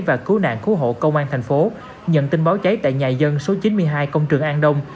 và cứu nạn cứu hộ công an thành phố nhận tin báo cháy tại nhà dân số chín mươi hai công trường an đông